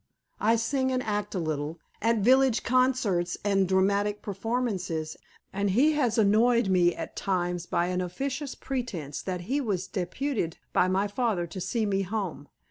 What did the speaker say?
I sing and act a little, at village concerts and dramatic performances, and he has annoyed me at times by an officious pretense that he was deputed by my father to see me home.